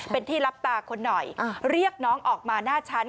เป็นที่รับตาคนหน่อยเรียกน้องออกมาหน้าชั้น